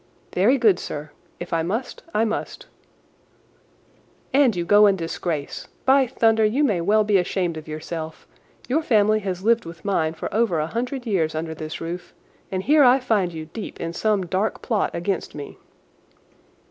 "Very good, sir. If I must I must." "And you go in disgrace. By thunder, you may well be ashamed of yourself. Your family has lived with mine for over a hundred years under this roof, and here I find you deep in some dark plot against me."